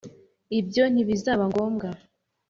ibyo ntibizaba ngombwa